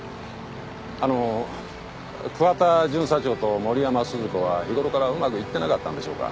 あの桑田巡査長と森山鈴子は日頃からうまくいってなかったんでしょうか？